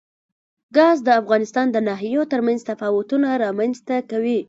ګاز د افغانستان د ناحیو ترمنځ تفاوتونه رامنځ ته کوي.